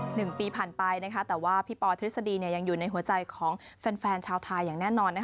หนึ่งปีผ่านไปแต่ว่าพี่ปอทฤษฎียังอยู่ในหัวใจของแฟนแฟนชาวไทยอย่างแน่นอน